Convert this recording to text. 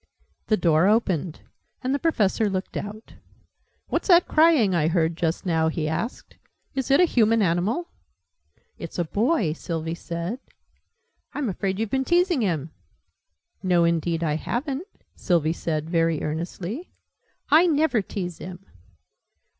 The door opened, and the Professor looked out. "What's that crying I heard just now?" he asked. "Is it a human animal?" "It's a boy," Sylvie said. "I'm afraid you've been teasing him?" "No, indeed I haven't!" Sylvie said, very earnestly. "I never tease him!"